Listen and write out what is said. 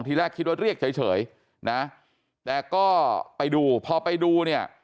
ทีแรกคิดว่าเรียกเฉยนะแต่ก็ไปดูพอไปดูเนี่ย